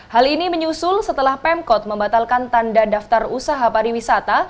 hal ini menyusul setelah pemkot membatalkan tanda daftar usaha pariwisata